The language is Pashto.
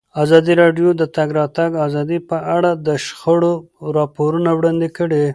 ازادي راډیو د د تګ راتګ ازادي په اړه د شخړو راپورونه وړاندې کړي.